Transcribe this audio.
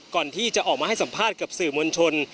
ก่อนที่จะออกมาให้สัมภาษณ์กับสื่อมวลชน